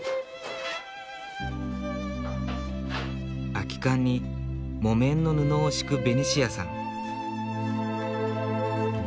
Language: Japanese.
空き缶に木綿の布を敷くベニシアさん。